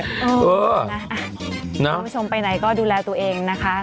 คุณผู้ชมไปไหนก็ดูแลตัวเองนะคะ